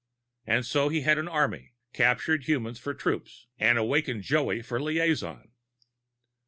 And so he had an army, captured humans for troops, an awakened Joey for liaison.